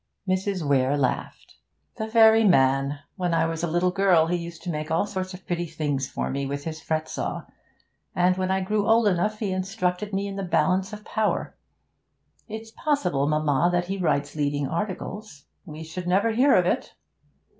Mrs. Weare laughed. 'The very man! When I was a little girl he used to make all sorts of pretty things for me with his fret saw; and when I grew old enough, he instructed me in the balance of Power. It's possible, mamma, that he writes leading articles. We should never hear of it.'